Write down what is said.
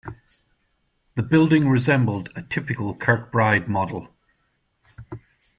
The building resembled a typical Kirkbride model.